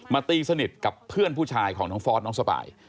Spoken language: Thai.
ตีสนิทกับเพื่อนผู้ชายของน้องฟอสน้องสปาย